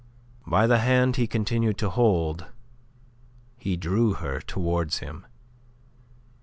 By the hand he continued to hold, he drew her towards him.